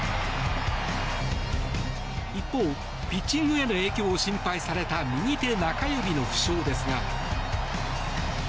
一方、ピッチングへの影響を心配された右手中指の負傷ですが。